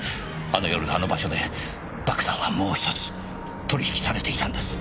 あの夜あの場所で爆弾はもう一つ取引されていたんです。